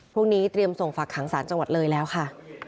พรุ่งนี้เตรียมส่งฝากขังสารจังหวัดเลยแล้วค่ะ